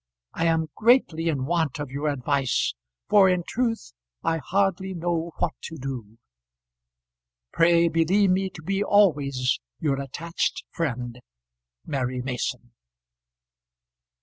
I am greatly in want of your advice, for in truth I hardly know what to do. Pray believe me to be always your attached friend, MARY MASON.